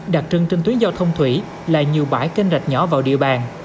đặc trưng trên tuyến giao thông thủy là nhiều bãi kênh rạch nhỏ vào địa bàn